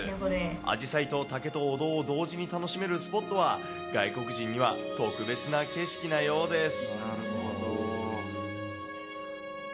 アジサイと竹とお堂を同時に楽しめるスポットは、外国人には特別な景色なようです。